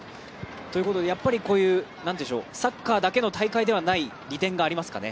やっぱりサッカーだけの大会ではない利点がありますかね。